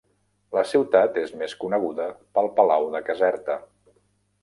La ciutat és més coneguda pel Palau de Caserta.